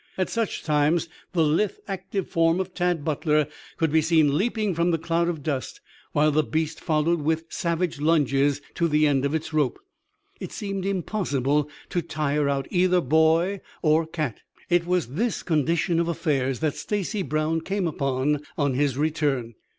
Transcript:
At such times the lithe, active form of Tad Butler could be seen leaping from the cloud of dust while the beast followed with savage lunges to the end of its rope. It seemed impossible to tire out either boy or cat. It was this condition of affairs that Stacy Brown came upon on his return.